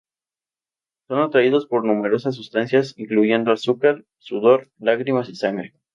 Son atraídos por numerosas sustancias, incluyendo azúcar, sudor, lágrimas y sangre.